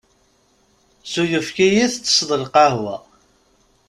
S uyefki i ttesseḍ lqahwa?